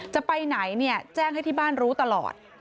จะไปไหนเนี่ยแจ้งให้ที่บ้านรู้ตลอด